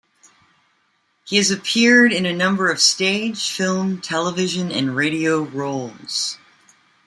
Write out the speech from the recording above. He has appeared in a number of stage, film, television and radio roles.